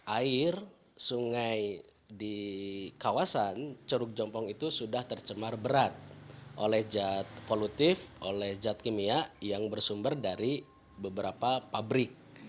air sungai di kawasan curug jompong itu sudah tercemar berat oleh zat polutif oleh zat kimia yang bersumber dari beberapa pabrik